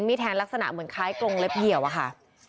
แทนลักษณะเหมือนคล้ายกรงเล็บเหี่ยวอะค่ะ